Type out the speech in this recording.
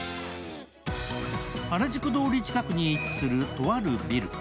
原宿通り近くに位置する、とあるビル。